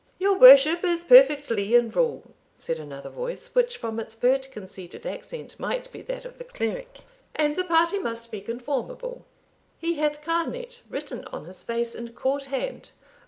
"Your worship is perfectly in rule," said another voice, which, from its pert conceited accent, might be that of the cleric, "and the party must be conformable; he hath canet written on his face in court hand."